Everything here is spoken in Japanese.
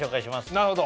なるほど！